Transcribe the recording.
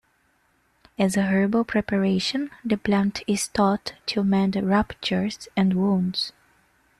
As a herbal preparation, the plant is thought to mend ruptures and wounds.